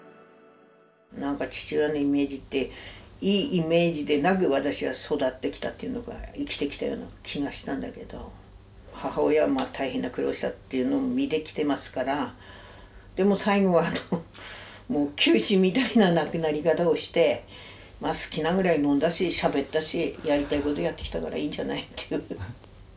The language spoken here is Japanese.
何か父親のイメージっていいイメージでなく私は育ってきたというのか生きてきたような気がしたんだけど母親は大変な苦労をしたっていうのを見てきてますから最後は急死みたいな亡くなり方をして好きなぐらい飲んだししゃべったしやりたいことやってきたからいいんじゃないっていう。